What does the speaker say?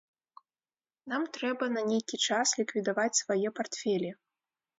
Нам трэба на нейкі час ліквідаваць свае партфелі.